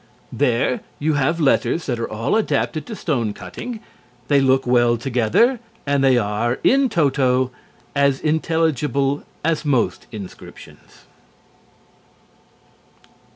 There you have letters that are all adapted to stone cutting; they look well together, and they are, in toto, as intelligible as most inscriptions.